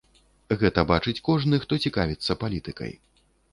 Гэта бачыць кожны, хто цікавіцца палітыкай.